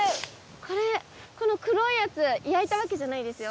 これこの黒いやつ焼いたわけじゃないですよ。